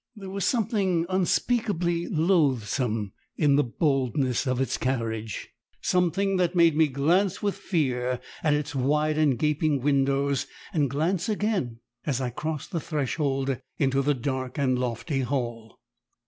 There was something unspeakably loathsome in the boldness of its carriage something that made me glance with fear at its wide and gaping windows and glance again as I crossed the threshold into the dark and lofty hall.